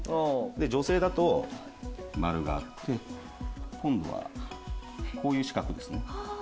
女性だと丸があって今度はこういう四角ですね。